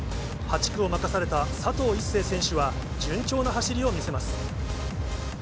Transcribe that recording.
８区を任された佐藤一世選手は、順調な走りを見せます。